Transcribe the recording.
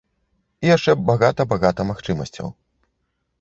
І яшчэ багата-багата магчымасцяў.